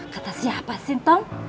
kata siapa sih tom